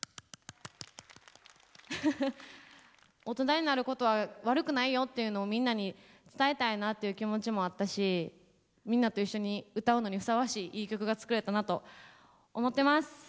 大人になることは悪くないよっていうのをみんなに伝えたいなっていう気持ちもあったしみんなと一緒に歌うのにふさわしいいい曲が作れたなと思ってます。